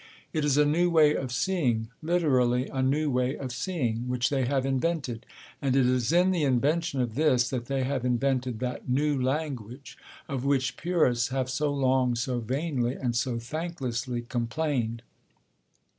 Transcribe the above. It is a new way of seeing, literally a new way of seeing, which they have invented; and it is in the invention of this that they have invented that 'new language' of which purists have so long, so vainly, and so thanklessly complained.